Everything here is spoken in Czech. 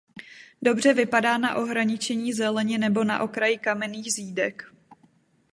Dobře vypadá na ohraničení zeleně nebo na okraji kamenných zídek.